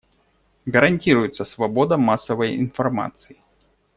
Гарантируется свобода массовой информации.